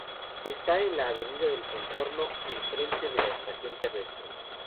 Está en la Avenida del Contorno, en frente de la Estación terrestre.